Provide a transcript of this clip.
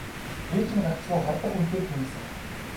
Ээж нь гагцхүү хардах үедээ л түүнээс айхгүй.